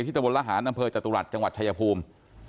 ตะวนละหารอำเภอจตุรัสจังหวัดชายภูมิ